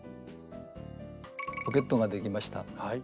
ポケットができました。